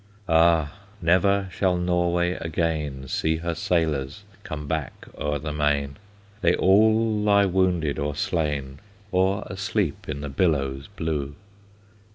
Ah! never shall Norway again See her sailors come back o'er the main; They all lie wounded or slain, Or asleep in the billows blue!